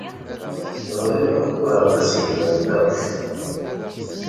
Bɣiɣ ad qqleɣ d asegbar n taɣect.